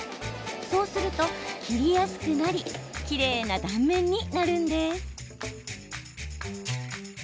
そうすると切りやすくなりきれいな断面になるんです。